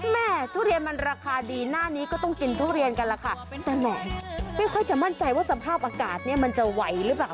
ทุเรียนมันราคาดีหน้านี้ก็ต้องกินทุเรียนกันล่ะค่ะแต่แหมไม่ค่อยจะมั่นใจว่าสภาพอากาศเนี่ยมันจะไหวหรือเปล่า